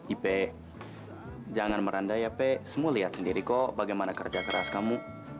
ip jangan merandai ya semua lihat sendiri kok bagaimana kerja keras kamu